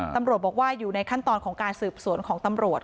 ตำรวจบอกว่าอยู่ในขั้นตอนของการสืบสวนของตำรวจ